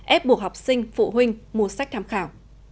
ép buộc học sinh phụ huynh mua sách tham khảo